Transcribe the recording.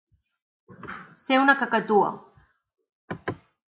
Ser una cacatua.